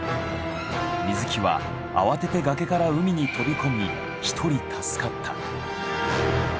水木は慌てて崖から海に飛び込み１人助かった。